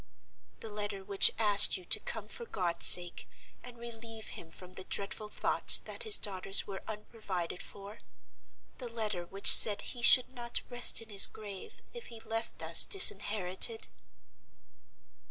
"The letter which asked you to come for God's sake, and relieve him from the dreadful thought that his daughters were unprovided for? The letter which said he should not rest in his grave if he left us disinherited?"